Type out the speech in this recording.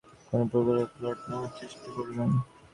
এরপর আবার তাঁরা হয়তো নতুন কোনো প্রকল্পে প্লট নেওয়ার চেষ্টা করবেন।